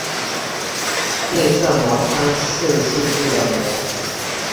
内射模相似性质的模。